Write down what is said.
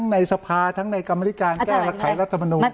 ในสภาทั้งในกรรมธิการแก้ไขรัฐมนูล